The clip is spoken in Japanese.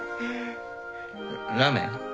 ラーメン